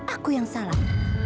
aku yang salah